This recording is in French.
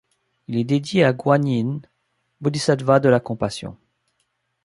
Il est dédié à Guanyin, bodhisattva de la compassion.